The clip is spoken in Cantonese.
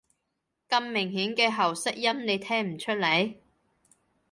咁明顯嘅喉塞音，你聽唔出來？